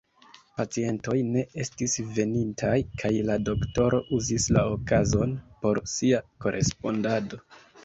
Pacientoj ne estis venintaj kaj la doktoro uzis la okazon por sia korespondado.